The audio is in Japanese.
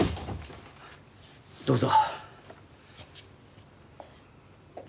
どうぞ。